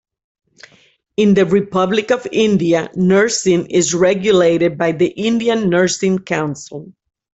In the Republic of India nursing is regulated by the Indian Nursing Council.